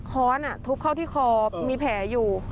ค้อนทุบเข้าที่คอมีแผลอยู่